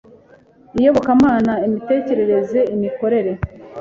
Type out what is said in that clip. iyobokamana, imitekerereze, imikorere